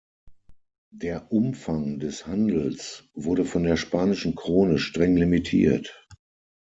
Der Umfang des Handels wurde von der spanischen Krone streng limitiert.